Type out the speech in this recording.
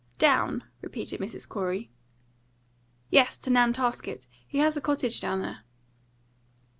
"Down?" repeated Mrs. Corey. "Yes, to Nantasket. He has a cottage down there."